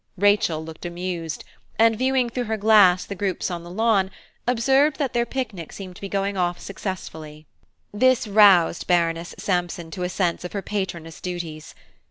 Rachel looked amused, and, viewing through her glass the groups on the lawn, observed that their picnic seemed to be going off successfully. This roused Baroness Sampson to a sense of her patroness duties.